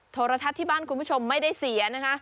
โทรทัศน์ที่บ้านคุณผู้ชมไม่ได้เสียนะคะ